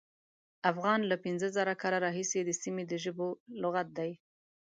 افغان له پینځه زره کاله راهیسې د سیمې د ژبو لغت دی.